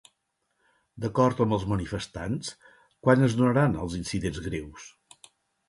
D'acord amb els manifestants, quan es donaran els incidents greus?